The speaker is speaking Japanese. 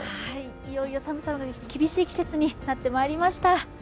いよいよ寒さが厳しい季節になってまいりました。